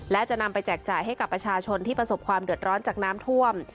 และจะนำไปแจกจ่ายให้กับประชาชนที่ประสบความเดือดร้อนจากน้ำท่วม